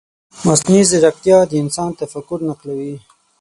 مصنوعي ځیرکتیا د انسان تفکر نقلوي.